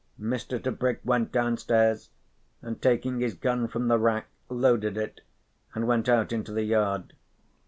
Mr. Tebrick went downstairs, and taking his gun from the rack loaded it and went out into the yard.